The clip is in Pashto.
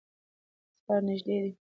سهار نږدې دی.